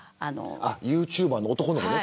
ユーチューバーの男の子ね。